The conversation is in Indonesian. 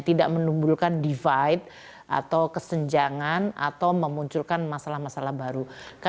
tidak menimbulkan divide atau kesenjangan atau memunculkan masalah masalah baru